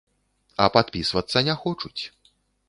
А падпісвацца не хочуць.